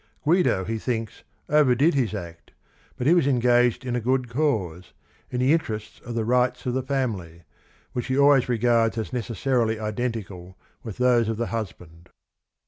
Guido, he thinks, overdid his act, but he was engaged in a good cause, in the interest of the rights of the family, which he always regards as necessarily identical with those of the husband.